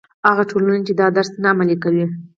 هغه ټولنې چې دا درس نه عملي کوي.